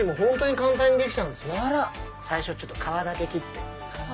最初ちょっと皮だけ切って。